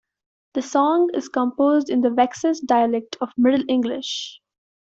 The song is composed in the Wessex dialect of Middle English.